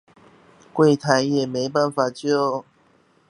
櫃檯也沒法救